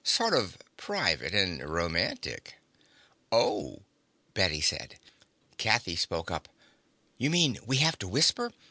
Sort of private and romantic." "Oh," Bette said. Kathy spoke up. "You mean we have to whisper?